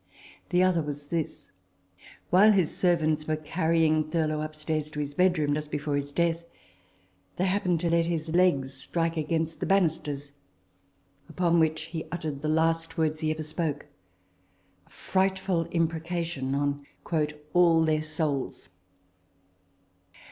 The other was this : While his servants were carry ing Thurlow upstairs to his bedroom, just before his death, they happened to let his legs strike against the banisters, upon which he uttered the last words he ever spoke a frightful imprecation on " all their souls."